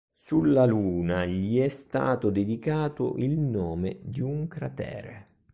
Sulla Luna gli è stato dedicato il nome di un cratere.